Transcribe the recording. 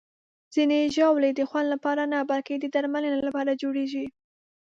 ځینې ژاولې د خوند لپاره نه، بلکې د درملنې لپاره جوړېږي.